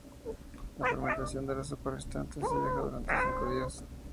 La fermentación de la sopa restante se deja durante cinco días.